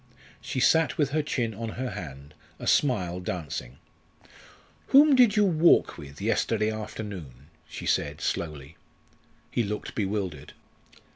She sat with her chin on her hand, a smile dancing. "Whom did you walk with yesterday afternoon?" she said slowly. He looked bewildered.